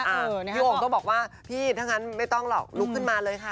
พี่โอ่งก็บอกว่าพี่ถ้างั้นไม่ต้องหรอกลุกขึ้นมาเลยค่ะ